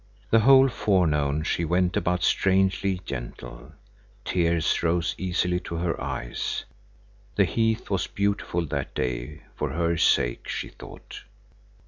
The whole forenoon she went about strangely gentle. Tears rose easily to her eyes. The heath was beautiful that day for her sake, she thought.